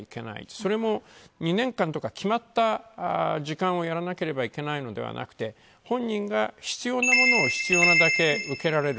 それも２年間とか決まった時間をやらなければいけないのではなくて本人が必要なものを必要なだけ受けられる。